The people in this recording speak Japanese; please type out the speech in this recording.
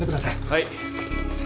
はい。